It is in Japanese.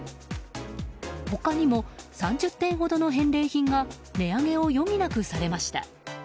他にも３０点ほどの返礼品が値上げを余儀なくされました。